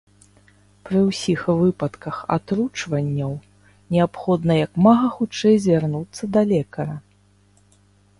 Пры ўсіх выпадках атручванняў неабходна як мага хутчэй звярнуцца да лекара.